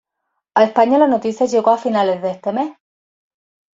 A España la noticia llegó a finales de ese mes.